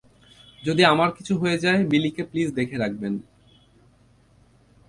যদি আমার কিছু হয়ে যায়, বিলিকে প্লিজ দেখে রাখবেন।